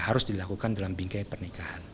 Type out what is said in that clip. harus dilakukan dalam bingkai pernikahan